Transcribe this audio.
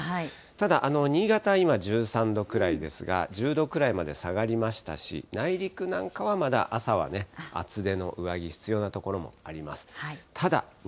ただ、新潟は今１３度くらいですが、１０度くらいまで下がりましたし、内陸なんかはまだ朝はね、厚手の上着、必要な所もあります。